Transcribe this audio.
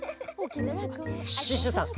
シュッシュさん